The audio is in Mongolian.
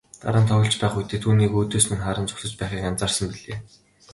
Дараа нь тоглож байх үедээ түүнийг өөдөөс минь харан зогсож байхыг анзаарсан билээ.